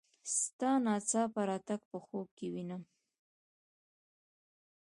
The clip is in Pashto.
ستا ناڅاپه راتګ په خوب کې وینم.